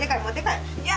いや！